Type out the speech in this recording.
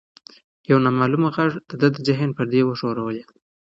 یو نامعلومه غږ د ده د ذهن پردې وښورولې.